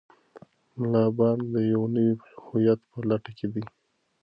ملا بانګ د یو نوي هویت په لټه کې دی.